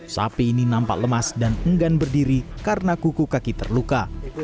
sapi ini nampak lemas dan enggan berdiri karena kuku kaki terluka